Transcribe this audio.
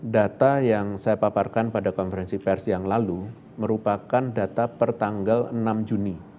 data yang saya paparkan pada konferensi pers yang lalu merupakan data per tanggal enam juni